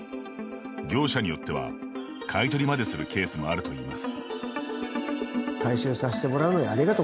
業者によっては買い取りまでするケースもあるといいます。